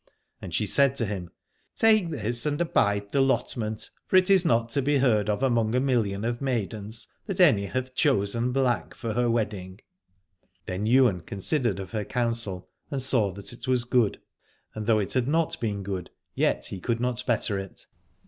And she said to him. Take this and abide the lot ment, for it is not to be heard of among a miUion of maidens that any hath chosen black for her wedding. Then Ywain consid ered of her counsel, and saw that it was good: and though it had not been good yet he could not better it.